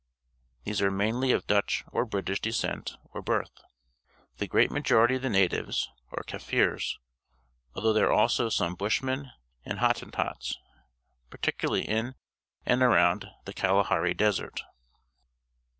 These are mainly of Dutch or British descent or birth. The great majority of the natives are Kaffirs, although there are also some Bushmen and Hottentots, particularly in and aroimd the Kalahari Desert.